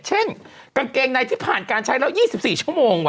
กางเกงในที่ผ่านการใช้แล้ว๒๔ชั่วโมง